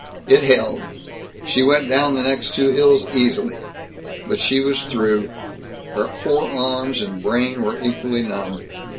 It held. She went down the next two hills easily. But she was through. Her forearms and brain were equally numb.